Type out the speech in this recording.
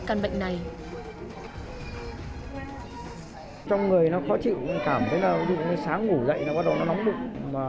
căn bệnh này trong người nó có chịu cảm thấy nào cũng như sáng ngủ dậy nó bắt đầu nóng bụng mà